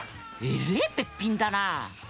えれえべっぴんだな。